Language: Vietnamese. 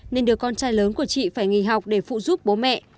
nên đứa con trai lớn của chị phải nghỉ học để phụ giúp bố mẹ